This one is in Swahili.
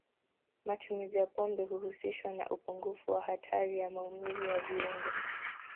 Matumizi ya pombe huhusishwa na upungufu wa hatari ya maumivu ya viungo.